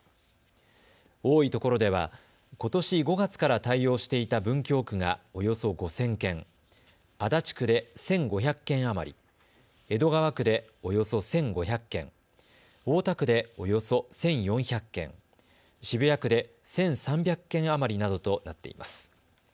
多いところではことし５月から対応していた文京区がおよそ５０００件、足立区で１５００件余り、江戸川区でおよそ１５００件、大田区でおよそ１４００件、渋谷区で１３００件余りなどとなっています。